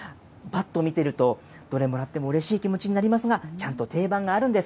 ばっと見てると、どれもらってもうれしい気持ちになりますが、ちゃんと定番があるんです。